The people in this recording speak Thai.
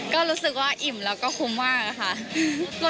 ก็รู้สึกว่าอิ่มแล้วก็คุ้มมากค่ะ